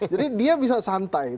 jadi dia bisa santai